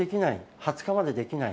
２０日までできない。